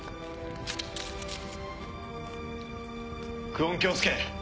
・久遠京介